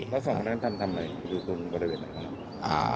แล้วสองคนนั้นทำทำไมอยู่ตรงบริเวณไหนบ้าง